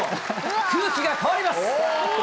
空気が変わります。